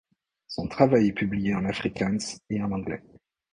Son travail est publié en afrikaans et en anglais.